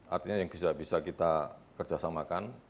artinya yang bisa bisa kita kerjasamakan